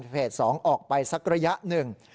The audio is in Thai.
เพจ๒ออกไปสักระยะหนึ่ง